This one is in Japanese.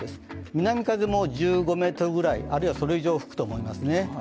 南風も１５メートル、あるいはそれ以上吹くと思いますね。